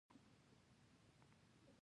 هره ژبه خپل ځانګړی غږ لري.